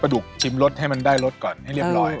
ดุกชิมรสให้มันได้รสก่อนให้เรียบร้อย